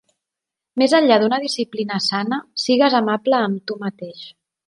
Més enllà d'una disciplina sana, sigues amable amb tu mateix.